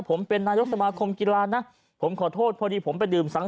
ผมเป็นนายกสมาคมกีฬานะผมขอโทษพอดีผมไปดื่มสัง